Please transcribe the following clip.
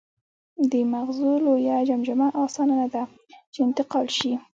د مغزو لویه جمجمه اسانه نهده، چې انتقال شي.